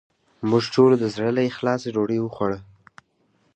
موږ ټولو د زړه له اخلاصه ډوډې وخوړه